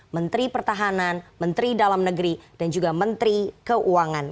menteri pertahanan menteri dalam negeri dan juga menteri keuangan